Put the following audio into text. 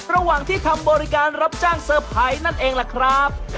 ระหว่างที่ทำบริการรับจ้างเซอร์ไพรส์นั่นเองล่ะครับ